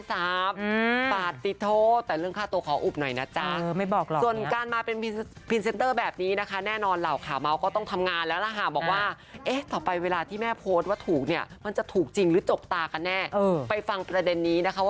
สูตรเองก็จะมาเป็นตรงนี้จะมารับงานอย่างนี้